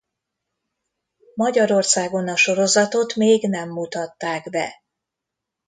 Magyarországon a sorozatot még nem mutatták be.